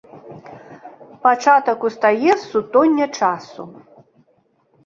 Пачатак устае з сутоння часу.